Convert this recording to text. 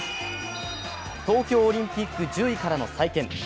東京オリンピック１０位からの再建。